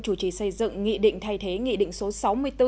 chủ trì xây dựng nghị định thay thế nghị định số sáu mươi bốn